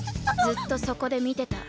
ずっとそこで見てた。